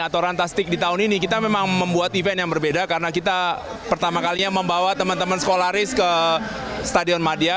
atau rantastik di tahun ini kita memang membuat event yang berbeda karena kita pertama kalinya membawa teman teman sekolah risk ke stadion madia